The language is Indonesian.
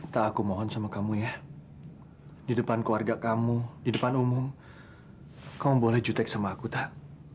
tak aku mohon sama kamu ya di depan keluarga kamu di depan umum kamu boleh jutek sama aku tak